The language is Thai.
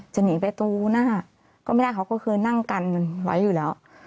หนีไปตรงหน้าก็ไม่ได้เขาก็คือนั่งกันไว้อยู่แล้ว